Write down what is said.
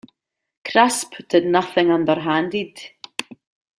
Crisp did nothing underhanded.